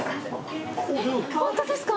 本当ですか？